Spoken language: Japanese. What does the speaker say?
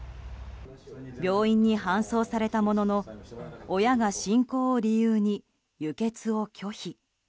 病院に搬送されたものの親が信仰を理由に輸血を拒否。